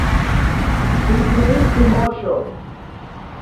Pipirinte mosho.